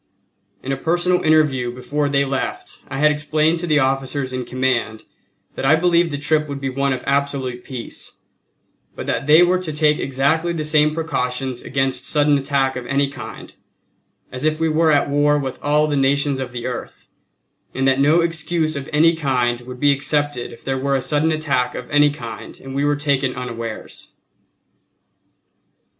In a personal interview before they left I had explained to the officers in command that I believed the trip would be one of absolute peace, but that they were to take exactly the same precautions against sudden attack of any kind as if we were at war with all the nations of the earth; and that no excuse of any kind would be accepted if there were a sudden attack of any kind and we were taken unawares.